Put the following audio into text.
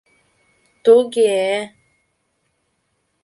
Туге-е.